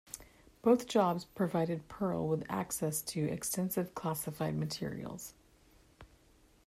Both jobs provided Perl with access to extensive classified materials.